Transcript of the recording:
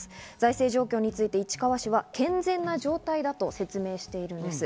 財政状況について市川市は健全な状態だと説明しています。